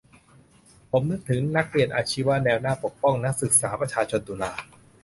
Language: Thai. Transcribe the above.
ผมนึกถึงนร.อาชีวะแนวหน้าปกป้องนศ.ประชาชนตุลา